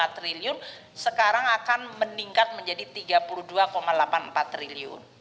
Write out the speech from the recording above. dua puluh delapan tiga puluh lima triliun sekarang akan meningkat menjadi tiga puluh dua delapan triliun